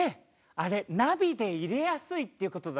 あれナビで入れやすいっていう事だね。